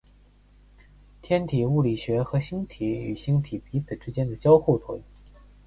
天体物理学和星体与星体彼此之间的交互作用。